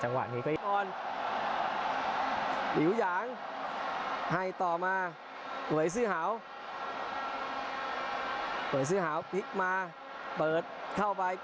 จะหาจังหวะเข้าถำครับ